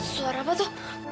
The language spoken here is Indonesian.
suara apa itu